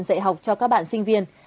dạy học cho các bạn sinh viên